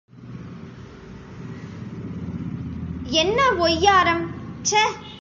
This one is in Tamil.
என்ன ஒய்யாரம் சே!